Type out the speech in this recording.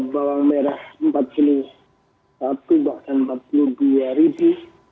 bawang merah empat puluh satu bahkan empat puluh dua ribu